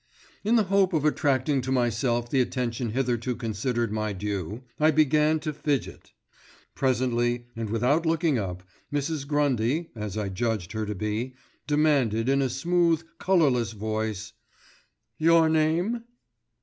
In the hope of attracting to myself the attention hitherto considered my due, I began to fidget. Presently, and without looking up, Mrs. Grundy, as I judged her to be, demanded in a smooth, colourless voice:— "Your name?"